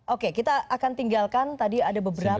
oke kita akan tinggalkan tadi ada beberapa